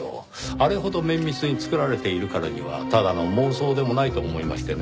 あれほど綿密に作られているからにはただの妄想でもないと思いましてね。